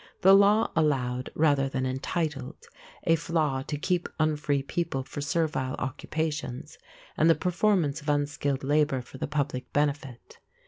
The law allowed, rather than entitled, a flaith to keep unfree people for servile occupations and the performance of unskilled labor for the public benefit.